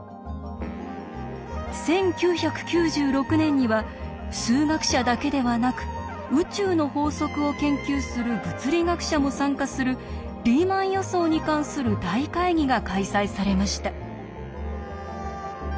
１９９６年には数学者だけではなく宇宙の法則を研究する物理学者も参加するリーマン予想に関する大会議が開催されました。